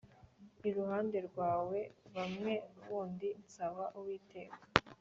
iruhande rwawe bwa bundi nsaba Uwiteka